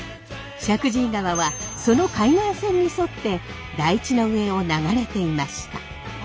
石神井川はその海岸線に沿って台地の上を流れていました。